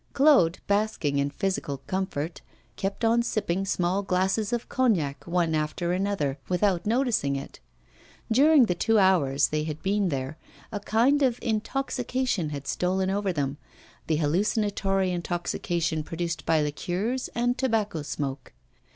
Claude, basking in physical comfort, kept on sipping small glasses of cognac one after another, without noticing it. During the two hours they had been there a kind of intoxication had stolen over them, the hallucinatory intoxication produced by liqueurs and tobacco smoke.